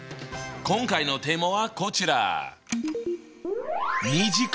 今回のテーマはこちら。